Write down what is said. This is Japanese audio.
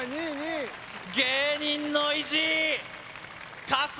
芸人の意地春日